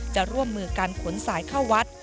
จะร่วมมือการขนสายเข้าวัด